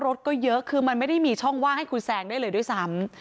รถก็เยอะคือมันไม่ได้มีช่องว่างให้คุณแซงได้เลยด้วยซ้ำ